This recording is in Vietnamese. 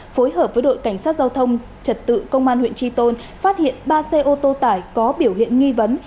phối hợp với đội cảnh sát giao thông trật tự công an huyện tri tôn phát hiện ba xe ô tô tải có biểu hiện nghi vấn